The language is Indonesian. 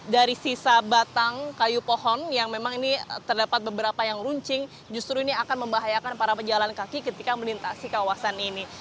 dari sisa batang kayu pohon yang memang ini terdapat beberapa yang runcing justru ini akan membahayakan para pejalan kaki ketika melintasi kawasan ini